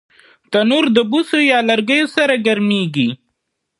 تنور د بوسو یا لرګیو سره ګرمېږي